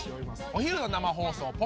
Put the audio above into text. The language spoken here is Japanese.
お昼の生放送。